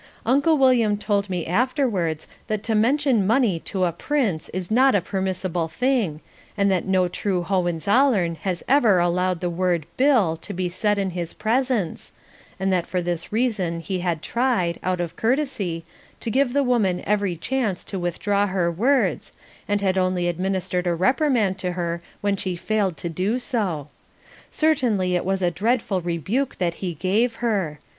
Uncle William told me afterwards that to mention money to a prince is not a permissible thing, and that no true Hohenzollern has ever allowed the word "bill" to be said in his presence, and that for this reason he had tried, out of courtesy, to give the woman every chance to withdraw her words and had only administered a reprimand to her when she failed to do so. Certainly it was a dreadful rebuke that he gave her.